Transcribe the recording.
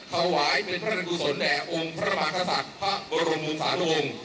ถวายเป็นพระราชกุศลแด่องค์พระมากษัตริย์พระบรมวงศานองค์